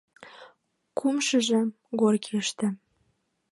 — Кумшыжо — Горькийыште...